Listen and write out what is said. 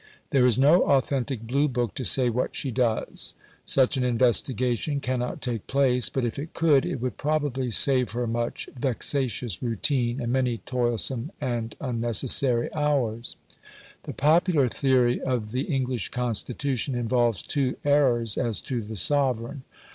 There is no authentic blue book to say what she does. Such an investigation cannot take place; but if it could, it would probably save her much vexatious routine, and many toilsome and unnecessary hours. The popular theory of the English Constitution involves two errors as to the sovereign.